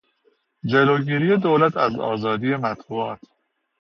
جلوگیری دولت از آزادی مطبوعات